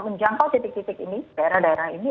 menjangkau titik titik ini daerah daerah ini